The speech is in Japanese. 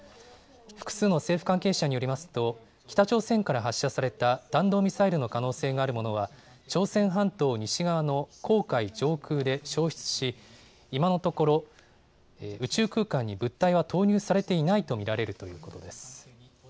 複数の政府関係者によりますと、北朝鮮から発射された弾道ミサイルの可能性があるものは、朝鮮半島西側の黄海上空で消失し、今のところ宇宙空間に物体は投入されていないと見られるということです。